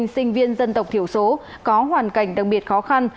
học sinh sinh viên dân tộc thiểu số có hoàn cảnh đặc biệt khó khăn